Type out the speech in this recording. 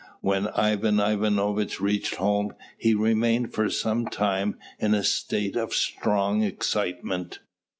When Ivan Ivanovitch reached home, he remained for some time in a state of strong excitement.